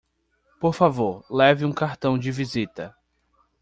Por favor, leve um cartão de visita.